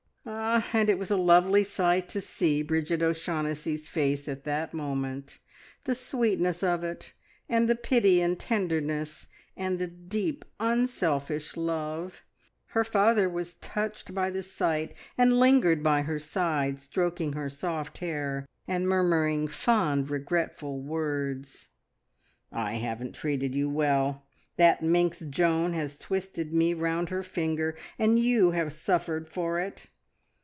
Ah, and it was a lovely sight to see Bridget O'Shaughnessy's face at that moment the sweetness of it, and the pity and tenderness, and the deep, unselfish love! Her father was touched by the sight, and lingered by her side, stroking her soft hair and murmuring fond, regretful words. "I haven't treated you well. That minx Joan has twisted me round her finger, and you have suffered for it.